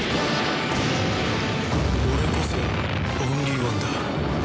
俺こそオンリーワンだ。